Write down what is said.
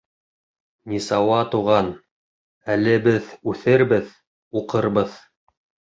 — Нисауа, туған, әле беҙ үҫербеҙ, уҡырбыҙ.